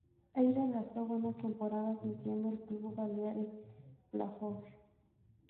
Allí, realizó buenas temporadas metiendo al club balear en playoff.